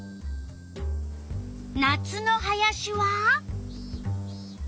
夏の林は？